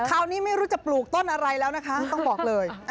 คราวนี้ไม่รู้จะปลูกต้นอะไรแล้วนะคะต้องบอกเลย